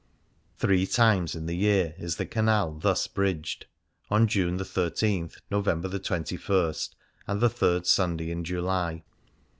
Three times in the year is the canal thus bridged : on June 13, November 21, and the third Sunday in July.